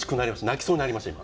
泣きそうになりました今。